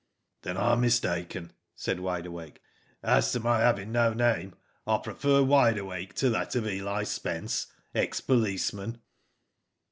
"Then I'm mistaken," said Wide Awake. "As to my having no name, I prefer Wide Awake to that of Eli Spence, ex policeman."